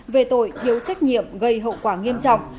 về tội thiếu trách nhiệm gây hậu quả nghiêm trọng